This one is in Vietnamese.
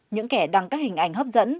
những kẻ đăng các hình ảnh hấp dẫn